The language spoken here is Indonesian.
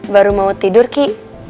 baru mau tidur ki